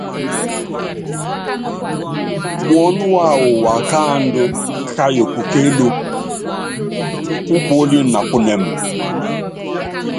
Muɔ́nɔ wawɔ wáakáandú kayuukɔ kéelúku, ukuɔ́líni napunɛ́m.